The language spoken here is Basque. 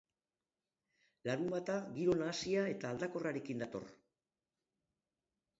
Larunbata giro nahasia eta aldakorrarekin dator.